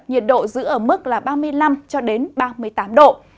nhiệt độ giữ ở mức ba mươi năm ba mươi tám độ